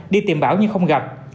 đi tìm bảo nhưng không gặp